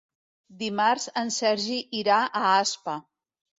Dimarts en Sergi irà a Aspa.